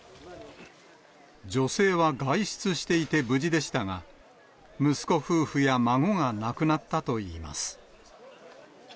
女性は外出していて無事でしたが、息子夫婦や孫が亡くなったといいます。